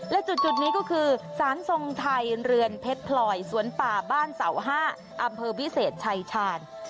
และจุดนี้ก็คือสารทรงไทยเรือนเพชรพลอยสวนป่าบ้านเสา๕อำเภอวิเศษชายชาญ